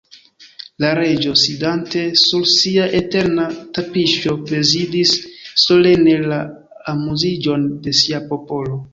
La Reĝo, sidante sur sia eterna tapiŝo, prezidis solene la amuziĝon de sia popolo.